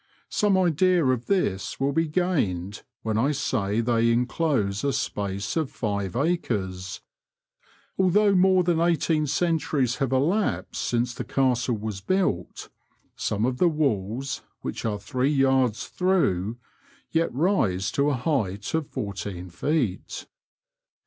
Some idea of thin will be gained when I say they enclose a space of five acres. Although more than eighteen centuries have elapsed since the Castle was built, some of the walls, which are three yards through, yet rise to a height of fourteen feet.